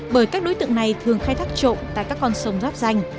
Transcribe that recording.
bởi các đối tượng này thường khai thác trộn tại các con sông rắp ranh